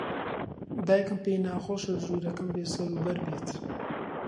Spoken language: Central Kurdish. دایکم پێی ناخۆشە ژوورەکەم بێسەروبەر بێت.